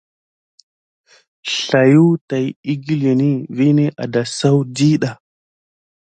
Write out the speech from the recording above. Slaywa tät wukiləŋe vini a dasaku ɗiɗa.